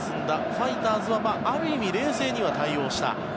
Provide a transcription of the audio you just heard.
ファイターズはある意味冷静には対応した。